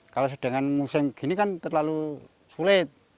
kalau sedangkan musim gini kan terlalu sulit